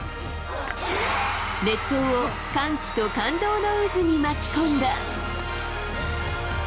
列島を歓喜と感動の渦に巻き込んだ。